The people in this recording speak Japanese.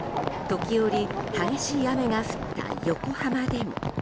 時折、激しい雨が降った横浜でも。